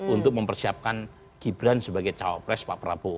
untuk mempersiapkan gibran sebagai cawapres pak prabowo